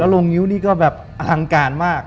โรงนิ้วนี่ก็แบบอลังการมาก